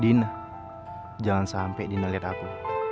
dina jangan sampai dina lihat aku